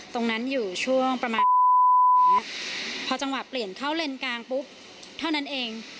ตรงนั้นอยู่ช่วงประมาณพอจังหวะเปลี่ยนเข้าเลนกลางปุ๊บเท่านั้นเอง